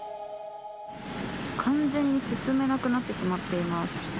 完全に進めなくなってしまっています。